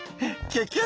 キュキュ